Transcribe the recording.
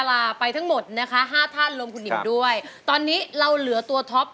ร้องได้ให้ร้าน